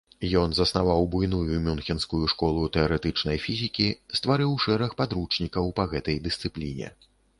Ён заснаваў буйную мюнхенскую школу тэарэтычнай фізікі, стварыў шэраг падручнікаў па гэтай дысцыпліне.